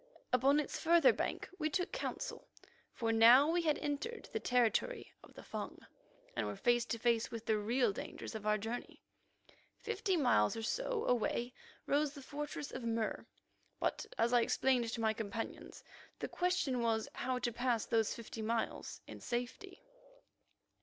Upon its further bank we took counsel, for now we had entered the territory of the Fung, and were face to face with the real dangers of our journey. Fifty miles or so away rose the fortress of Mur, but, as I explained to my companions, the question was how to pass those fifty miles in safety.